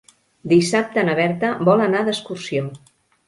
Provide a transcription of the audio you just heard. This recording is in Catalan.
Dissabte na Berta vol anar d'excursió.